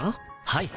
はい。